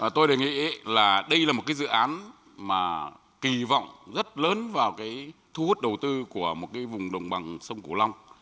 tôi đề nghị là đây là một dự án mà kỳ vọng rất lớn vào thu hút đầu tư của một vùng đồng bằng sông cổ long